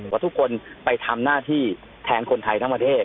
ว่าทุกคนไปทำหน้าที่แทนคนไทยทั้งประเทศ